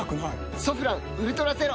「ソフランウルトラゼロ」